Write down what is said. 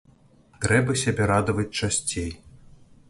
Трэба сябе радаваць часцей.